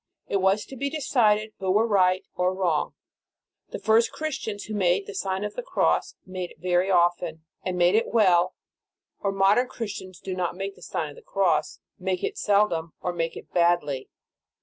It was to be decided who were right or wrong ; the first Christians who made the Sign of the Cross, made it very often, and made it well; or modern Chris tians who do not make the Si^n of the Cross, O make it seldom, or make it badly.